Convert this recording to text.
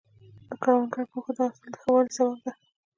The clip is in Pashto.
د کروندګر پوهه د حاصل د ښه والي سبب ده.